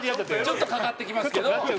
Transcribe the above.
ちょっとかかってきますけど。